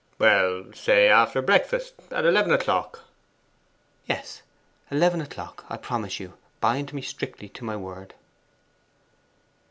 'Well, say after breakfast at eleven o'clock.' 'Yes, eleven o'clock. I promise you. Bind me strictly to my word.